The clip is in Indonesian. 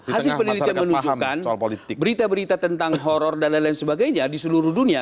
hasil penelitian menunjukkan berita berita tentang horror dan lain lain sebagainya di seluruh dunia